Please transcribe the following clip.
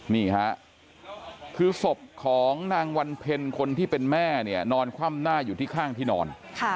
นี่ค่ะคือศพของนางวันเพ็ญคนที่เป็นแม่เนี่ยนอนคว่ำหน้าอยู่ที่ข้างที่นอน